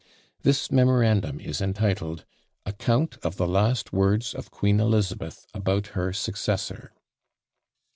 This memorandum is entitled "Account of the last words of Queen Elizabeth about her Successor.